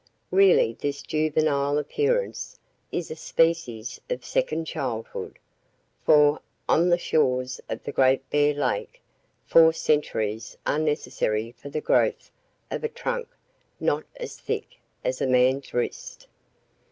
Really this juvenile appearance is a species of second childhood; for, on the shores of the Great Bear Lake, four centuries are necessary for the growth of a trunk not as thick as a man's wrist.